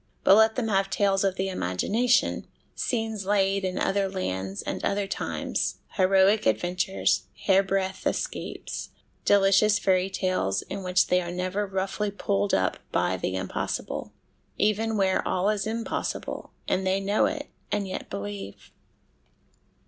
But let them have tales of the imagination, scenes laid in other lands and other times, heroic adventures, hairbreadth escapes, delicious fairy tales in which they are never roughly pulled up by the impossible even where all is impossible, and they know it, and yet believe.